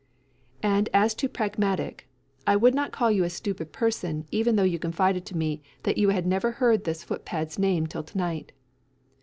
4. And as to Pragmatic, I would not call you a stupid person even though you confided to me that you had never heard this footpad's name till to night.